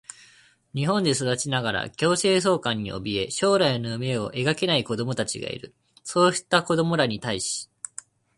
日本で育ちながら強制送還におびえ、将来の夢を描けない子どもたちがいる。そうした子どもらに対し、